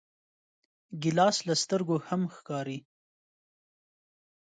ګیلاس له سترګو هم ښکاري.